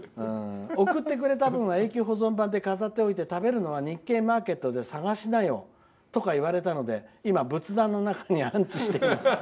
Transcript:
「送ってくれた分は永久保存版で飾っておいて食べるのは日系マーケットで探しなよと言われたので今、仏壇の中に安置しています」。